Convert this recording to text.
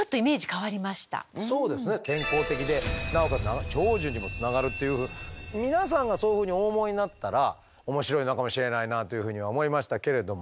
健康的でなおかつ長寿にもつながるっていう皆さんがそういうふうにお思いになったら面白いのかもしれないなというふうには思いましたけれども。